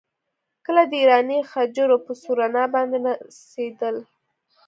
کله د ایراني غجرو پر سورنا باندې نڅېدل.